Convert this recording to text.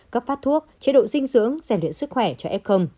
gấp phát thuốc chế độ dinh dưỡng giải luyện sức khỏe cho f